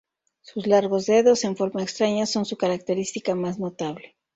Sus largos dedos, en forma extraña, son su característica más notable.